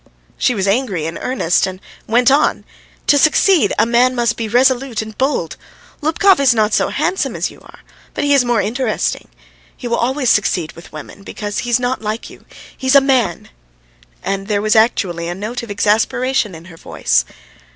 She was angry in earnest, and went on: "To succeed, a man must be resolute and bold. Lubkov is not so handsome as you are, but he is more interesting. He will always succeed with women because he's not like you; he's a man. ..." And there was actually a note of exasperation in her voice.